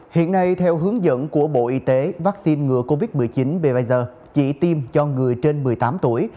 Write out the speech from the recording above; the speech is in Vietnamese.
hiện nay theo hướng dẫn của bộ y tế vaccine ngừa covid một mươi chín bvers chỉ tiêm cho người trên một mươi tám tuổi